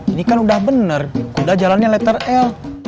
ini kan udah bener kuda jalannya letter l